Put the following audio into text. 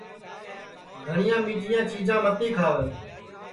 گھٹؔؔیاں میٹھیاں چیجاں متی کھاوے